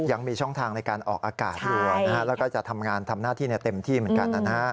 ยังมีช่องทางในการออกอากาศอยู่แล้วก็จะทำงานทำหน้าที่เต็มที่เหมือนกันนะฮะ